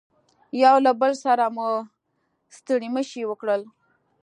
یو له بل سره مو ستړي مشي وکړل.